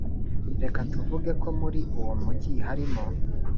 Reka tuvuge ko muri uwo mugi harimo